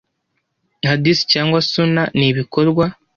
Hadisi cyangwa Suna n Ibikorwa